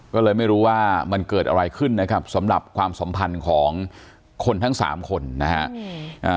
ก็เลยไม่รู้ว่ามันเกิดอะไรขึ้นนะครับสำหรับความสัมพันธ์ของคนทั้งสามคนนะฮะ